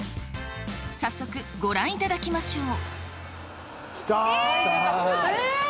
早速ご覧いただきましょう！来た！